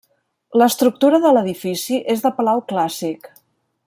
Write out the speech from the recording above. L'estructura de l'edifici és de palau clàssic.